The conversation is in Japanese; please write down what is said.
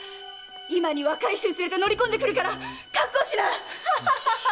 いまに若い衆連れて乗り込んでくるから覚悟しな！